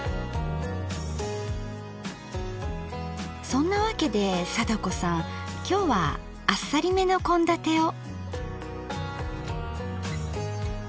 そんなわけで貞子さんきょうはあっさりめの献立を。